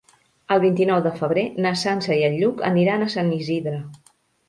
El vint-i-nou de febrer na Sança i en Lluc aniran a Sant Isidre.